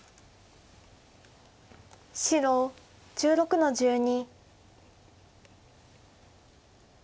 白１６の十二。